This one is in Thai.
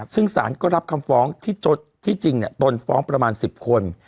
ซึ่งสารก็รับคำฟ้องที่จริงตนฟ้องประมาณ๑๐คน